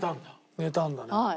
寝たんだね。